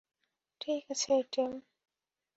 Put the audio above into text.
ঠিক আছে, টিম।